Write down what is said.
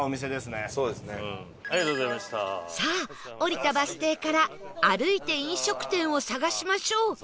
さあ降りたバス停から歩いて飲食店を探しましょう